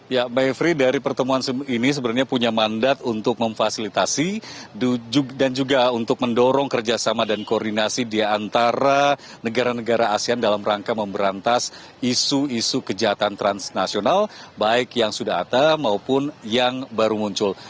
ya mbak evri dari pertemuan ini sebenarnya punya mandat untuk memfasilitasi dan juga untuk mendorong kerjasama dan koordinasi di antara negara negara asean dalam rangka memberantas isu isu kejahatan transnasional baik yang sudah ada maupun yang baru muncul